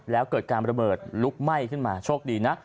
แล้วเกิดการระเบิดลุกไหม้ขึ้นมาโชคดีนะ